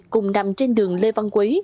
cùng nằm trên đường lê văn quý